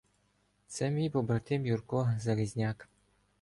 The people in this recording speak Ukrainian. — Це мій побратим Юрко Залізняк.